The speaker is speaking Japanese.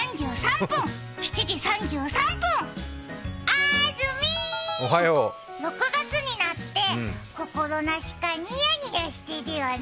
あずみ、６月になって心なしかニヤニヤしてるよね。